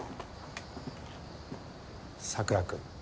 桜君。